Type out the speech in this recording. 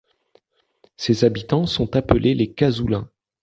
Ses habitants sont appelés les Cazoulins.